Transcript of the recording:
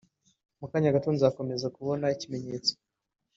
Mu kanya gato nzakomeza kubona ikimenyetso